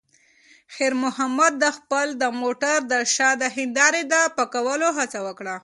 خیر محمد د خپل موټر د شا د هیندارې د پاکولو هڅه وکړه.